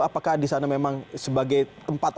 apakah di sana memang sebagai tempat